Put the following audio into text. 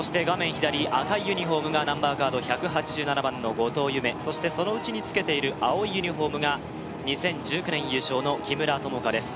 左赤いユニホームがナンバーカード１８７番の後藤夢そしてその内につけている青いユニホームが２０１９年優勝の木村友香です